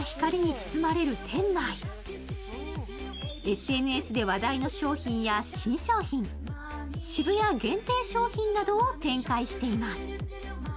ＳＮＳで話題の商品や新商品、渋谷限定商品などを展開しています。